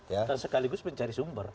dan sekaligus mencari sumber